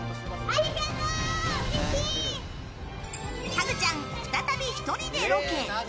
ハグちゃん、再び１人でロケ。